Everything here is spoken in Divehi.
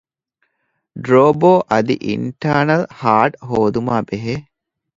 ޑްރޯބޯ އަދި އިންޓާރނަލް ހާޑް ހޯދުމާބެހޭ